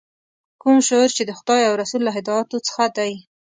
کوم شعور چې د خدای او رسول له هدایاتو څخه دی.